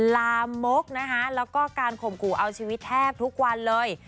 ลามกนะคะแล้วก็การข่มขู่เอาชีวิตแทบทุกวันเลย